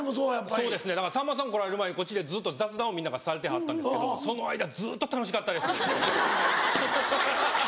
そうですねだからさんまさん来られる前にこっちでずっと雑談をみんながされてはったんですけどその間ずっと楽しかったです。